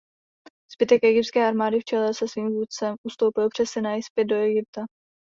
Zbytek egyptské armády v čele se svým vůdcem ustoupil přes Sinaj zpět do Egypta.